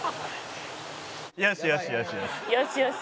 よしよしよしよし。